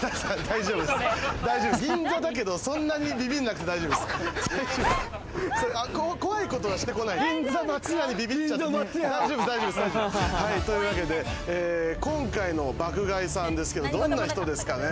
銀座だけどそんなにビビんなくて大丈夫。というわけで、今回の爆買いさんですけど、どんな人ですかね？